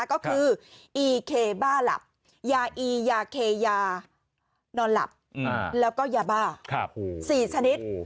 ก็คืออีเคบ้าหลับยาอียาเคยานอนหลับแล้วก็ยาบ้า๔ชนิด